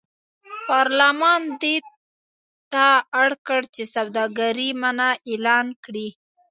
پارلمان دې ته اړ کړ چې سوداګري منع اعلان کړي.